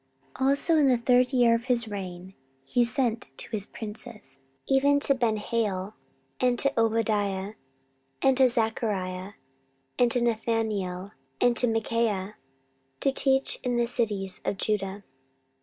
14:017:007 Also in the third year of his reign he sent to his princes, even to Benhail, and to Obadiah, and to Zechariah, and to Nethaneel, and to Michaiah, to teach in the cities of Judah.